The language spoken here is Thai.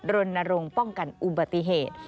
โรนโรงป้องกันอุบัติเหตุ